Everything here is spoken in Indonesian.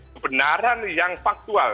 kebenaran yang faktual